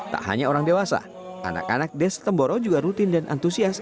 tak hanya orang dewasa anak anak des temboro juga rutin dan antusias